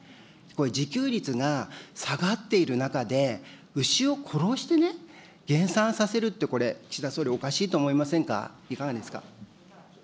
これ、自給率が下がっている中で、牛を殺してね、減産させるって、これ、岸田総理、これ、おかしいと思いませんか。